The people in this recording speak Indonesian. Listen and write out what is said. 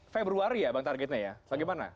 februari ya bang targetnya ya bagaimana